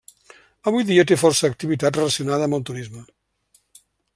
Avui dia té força activitat relacionada amb el turisme.